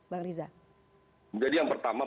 bang riza menjadi yang pertama